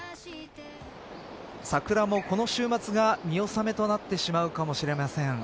桜もこの週末が見納めとなってしまうかもしれません。